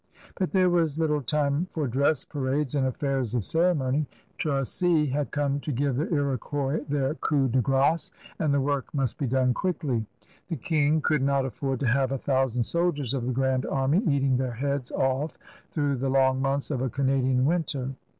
But there was little time for dress parades and affairs of ceremony. Ttacy had come to give the Iroquois their coup de grd^y and the work must be done quickly. The King could not afford to have a thousand soldiers of the grand army eating their heads off through the long months of a Canadian winter.